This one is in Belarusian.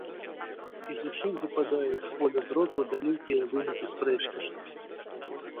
І зусім выпадаюць з поля зроку далёкія вынікі спрэчкі.